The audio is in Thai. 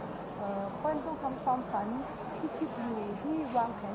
เพราะฉะนั้นต้องทำความฝันที่คิดอยู่ที่วางแผนอยู่ให้เป็นความจริงนะ